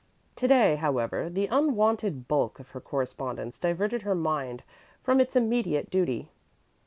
To day, however, the unwonted bulk of her correspondence diverted her mind from its immediate duty.